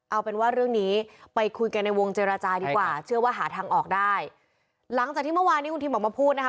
เอาเป็นว่าเรื่องนี้ไปคุยกันในวงเจรจาดีกว่าเชื่อว่าหาทางออกได้หลังจากที่เมื่อวานนี้คุณทิมออกมาพูดนะคะ